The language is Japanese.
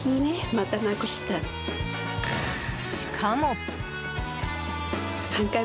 しかも。